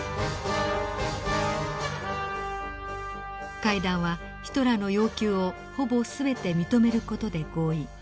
会談はヒトラーの要求をほぼ全て認める事で合意。